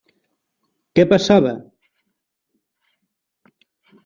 Què passava?